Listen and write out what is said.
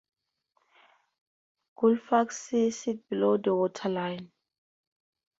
Gullfaks C sits below the waterline.